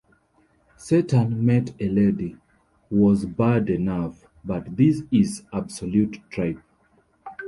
"Satan Met a Lady" was bad enough, but this is "absolute tripe".